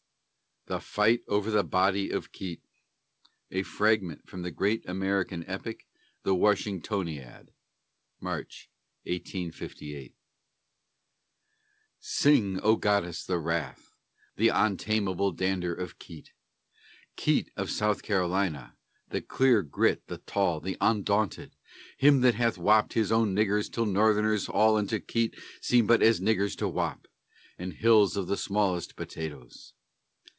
THE FIGHT OVER THE BODY OF KEITT A FRAGMENT FROM THE GREAT AMERICAN EPIC, THE WASHINGTONIAD [March, 1858] Sing, O goddess, the wrath, the ontamable dander of Keitt Keitt of South Carolina, the clear grit, the tall, the ondaunted Him that hath wopped his own niggers till Northerners all unto Keitt Seem but as niggers to wop, and hills of the smallest potatoes.